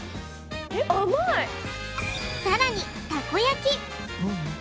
さらにたこ焼き。